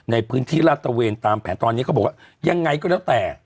ในพื้นที่ลาดตะเวนตามแผนตอนนี้เขาบอกว่ายังไงก็แล้วแต่